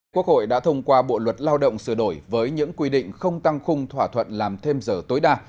quốc hội đã thông qua bộ luật lao động sửa đổi với những quy định không tăng khung thỏa thuận làm thêm giờ tối đa